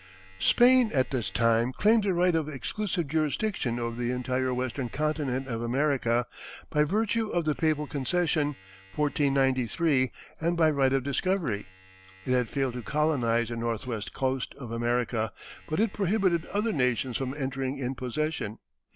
Spain at this time claimed the right of exclusive jurisdiction over the entire western continent of America by virtue of the papal concession, 1493, and by right of discovery. It had failed to colonize the northwest coast of America, but it prohibited other nations from entering in possession.